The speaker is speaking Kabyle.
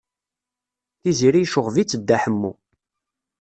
Tiziri yecɣeb-itt Dda Ḥemmu.